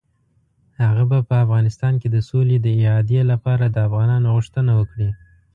هغه به په افغانستان کې د سولې د اعادې لپاره د افغانانو غوښتنه وکړي.